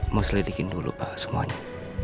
mau selidikin dulu pak semuanya